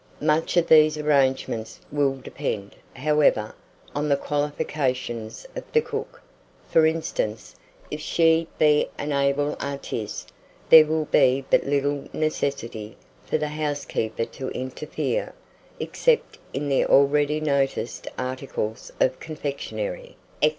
Much of these arrangements will depend, however, on the qualifications of the cook; for instance, if she be an able artiste, there will be but little necessity for the housekeeper to interfere, except in the already noticed articles of confectionary, &c.